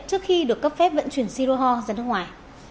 trước khi được cấp phép vận chuyển siroho ra nước ngoài